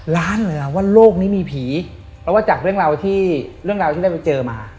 ล้านเลยหรอว่าโลกนี้มีผีแล้วว่าจากเรื่องราวที่ได้ไปเจอมา